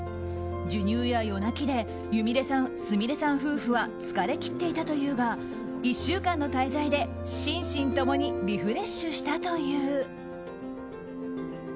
授乳や夜泣きですみれさん夫婦は疲れ切っていたというが１週間の滞在で心身共にリフレッシュしたという。